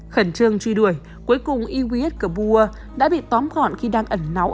khẩn trương truy đuổi cuối cùng iwis kabua đã bị tóm gọn khi đang ẩn náu